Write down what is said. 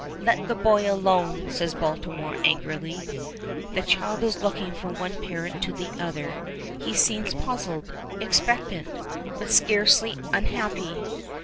"Let the boy alone," says Baltimore angrily. The child is looking from one parent to the other. He seems puzzled, expectant, but scarcely unhappy.